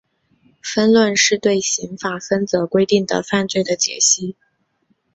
分论是对刑法分则规定的犯罪的解析。